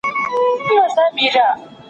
علم دوستو ځوانانو لکه حامد متواضع، خلیل الله